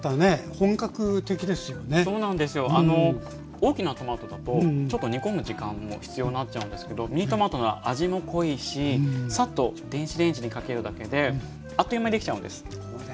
大きなトマトだとちょっと煮込む時間も必要なっちゃうんですけどミニトマトなら味も濃いしサッと電子レンジにかけるだけであっという間に出来ちゃうんです。